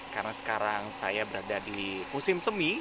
karena sekarang saya berada di musim semi